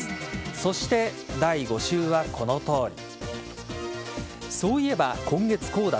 そして、第５週はこのとおり。